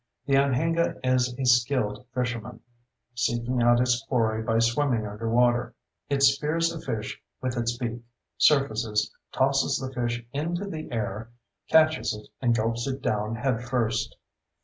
The anhinga is a skilled fisherman, seeking out its quarry by swimming underwater. It spears a fish with its beak, surfaces, tosses the fish into the air, catches it, and gulps it down head first.